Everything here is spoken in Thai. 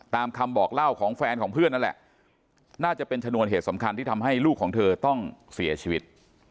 ตามคำบอกเล่าของแฟนของเพื่อนนั่นแหละน่าจะเป็นชนวนเหตุสำคัญที่ทำให้ลูกของเธอต้องเสียชีวิต